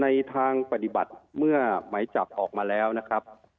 ในทางปฏิบัติเมื่อไหมจับออกมาแล้วนะครับ